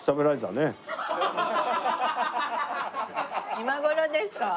今頃ですか？